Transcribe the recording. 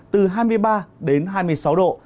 từ hai mươi ba đến hai mươi sáu độ